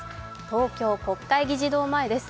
東京・国会議事堂前です。